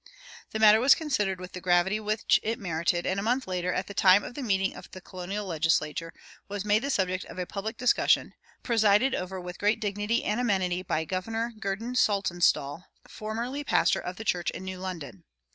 The matter was considered with the gravity which it merited, and a month later, at the time of the meeting of the colonial legislature, was made the subject of a public discussion, presided over with great dignity and amenity by Governor Gurdon Saltonstall, formerly pastor of the church in New London.